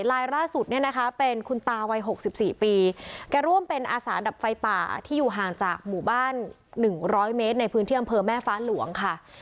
ลายล่าสุดเนี่ยนะคะเป็นคุณตาวัย๖๔ปีแกร่วมเป็นอาสาดับไฟป่าที่อยู่ห่างจากหมู่บ้าน๑๐๐เมตรในพื้นที่อำเภอแม่ฟ้าหลวงค่ะ